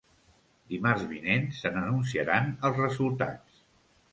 Dimarts vinent se n’anunciaran els resultats.